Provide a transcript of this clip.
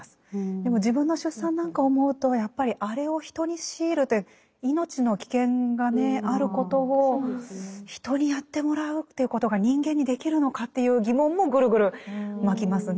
でも自分の出産なんかを思うとやっぱりあれを人に強いるという命の危険がねあることを人にやってもらうっていうことが人間にできるのかっていう疑問もぐるぐるまきますね。